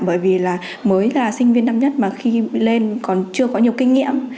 bởi vì là mới là sinh viên năm nhất mà khi lên còn chưa có nhiều kinh nghiệm